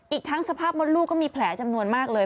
อีกทั้งสภาพมดลูกก็มีแผลจำนวนมากเลย